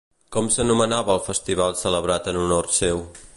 Com s'anomenava el festival celebrat en honor seu?